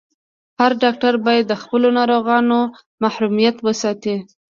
هر ډاکټر باید د خپلو ناروغانو محرميت وساتي.